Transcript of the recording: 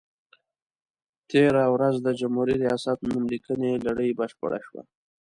تېره ورځ د جمهوري ریاست نوم لیکنې لړۍ بشپړه شوه.